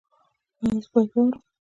ایا زه باید واورم؟